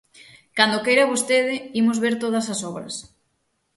Cando queira vostede, imos ver todas as obras.